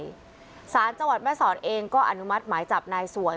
ศาลจังหวัดแม่สอดเองก็อนุมัติหมายจับนายสวย